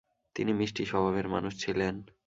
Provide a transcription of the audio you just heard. তিনি মিষ্টি স্বভাবের মানুষ ছিলেন।